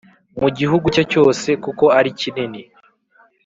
mu gihugu cye cyose kuko ari kinini